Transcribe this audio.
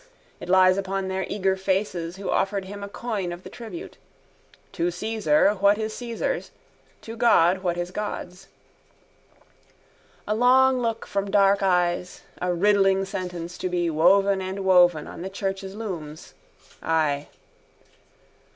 It lies upon their eager faces who offered him a coin of the tribute. To Caesar what is Caesar's, to God what is God's. A long look from dark eyes, a riddling sentence to be woven and woven on the church's looms. Ay.